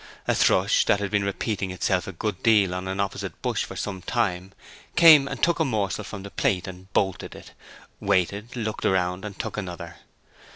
A thrush, that had been repeating itself a good deal on an opposite bush for some time, came and took a morsel from the plate and bolted it, waited, looked around, and took another.